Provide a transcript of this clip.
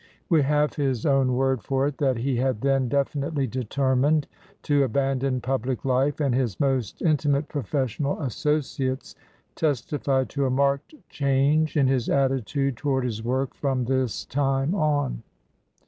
We have his own word for it that he had then definitely deter mined to abandon public life, and his most inti mate professional associates testify to a marked change in his attitude toward his work from this time on.